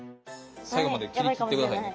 最後まで切りきってくださいね。